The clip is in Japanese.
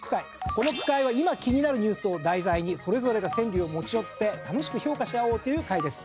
この句会は今気になるニュースを題材にそれぞれが川柳を持ち寄って楽しく評価し合おうという会です。